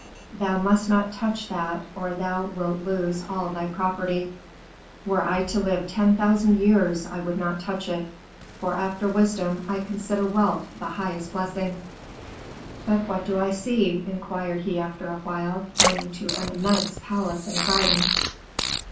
"'Thou must not touch that or thou wilt lose all thy property.' "'Were I to live ten thousand years I would not touch it. For, after wisdom, I consider wealth the highest blessing.' "'But what do I see?' inquired he after a while, pointing to an immense palace in a garden.